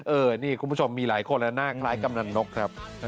เออนี่คุณผู้ชมมีหลายคนแล้วหน้าคล้ายกำนันนกครับ